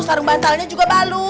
sarung bantalnya juga baru